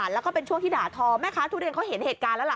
แล้วก็เป็นช่วงที่ด่าทอแม่ค้าทุเรียนเขาเห็นเหตุการณ์แล้วล่ะ